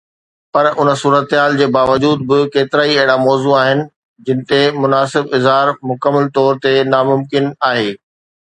پر ان صورتحال جي باوجود به ڪيترائي اهڙا موضوع آهن جن تي مناسب اظهار مڪمل طور تي ناممڪن آهي.